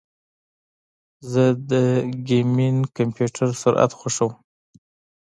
زه د ګیمنګ کمپیوټر سرعت خوښوم.